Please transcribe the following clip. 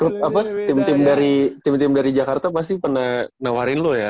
tim tim dari jakarta pasti pernah nawarin lu ya